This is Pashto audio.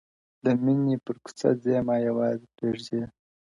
د ميني پر كوڅه ځي ما يوازي پــرېـــږدې،